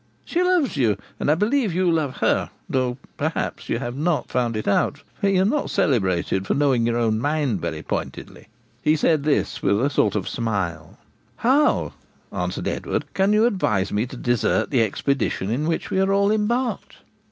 'She loves you, and I believe you love her, though, perhaps, you have not found it out, for you are not celebrated for knowing your own mind very pointedly.' He said this with a sort of smile. 'How,' answered Edward, 'can you advise me to desert the expedition in which we are all embarked?'